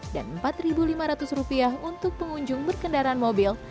dan rp empat lima ratus untuk pengunjung berkendaraan mobil